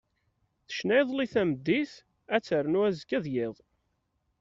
Tecna iḍelli tameddit ad ternu azekka d yiḍ.